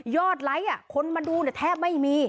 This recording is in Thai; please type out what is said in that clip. ยอดไลค์คนมาดูแค่ไม้มี